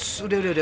sudah sudah sudah